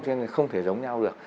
cho nên không thể giống nhau được